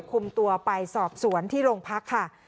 คุมตัวไปสอบสวนที่โรงพักค่ะ